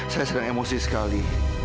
saya sedang emosi sekali